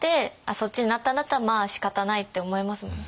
そっちになったんだったらまあしかたないって思えますもんね。